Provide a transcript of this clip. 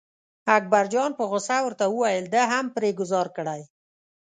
اکبرجان په غوسه ورته وویل ده هم پرې ګوزار کړی.